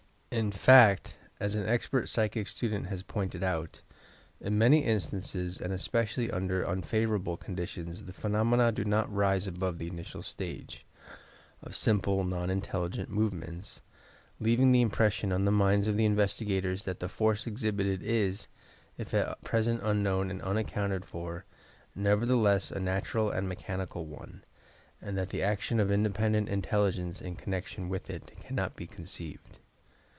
In fact, as an expert psychic student has pointed out "in many instances and especially under unfavour able conditions the phenomena do not rise above the initial stage (of simple non intelligent movements), leaving the impression on the minds of the investigators that the force exhibited is, if at present unknown and unaccounted for, nevertheless a natural and a mechani cal one, and that the action of independent intelligence in connection with it, cannot be conceived.